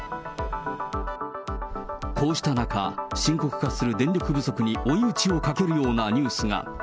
こうした中、深刻化する電力不足に追い打ちをかけるようなニュースが。